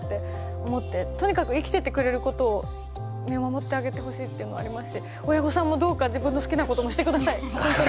とにかく生きててくれることを見守ってあげてほしいっていうのはありますし親御さんもどうか自分の好きなこともして下さいほんとに。